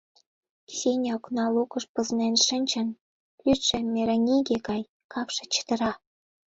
Ксеня окна лукыш пызнен шинчын, лӱдшӧ мераҥиге гай капше чытыра.